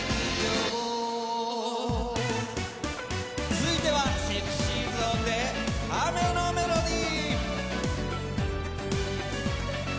続いてはＳｅｘｙＺｏｎｅで「雨のＭｅｌｏｄｙ」！